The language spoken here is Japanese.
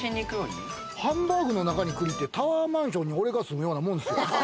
ハンバーグの中に栗って、タワーマンションに俺が住むようなもんですよ。